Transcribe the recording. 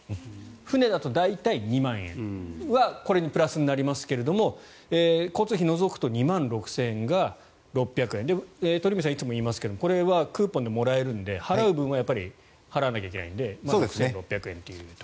船だと大体２万円はこれにプラスになりますけど交通費を除くと２万６０００円が６００円鳥海さんいつも言いますがこれはクーポンでもらえるので払う分は払わなきゃいけないので。